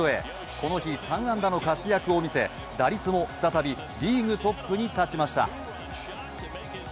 この日３安打の活躍を見せ打率も再びリーグトップに立ちました。